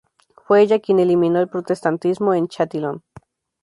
Fue ella quien eliminó el protestantismo en Châtillon.